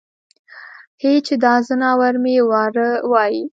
هی چې دا ځناور مې وراره وای.